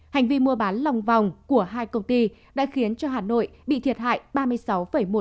hành vi mua bán lòng vòng của hai công ty đã khiến cho hà nội bị thiệt hại ba mươi sáu một tỷ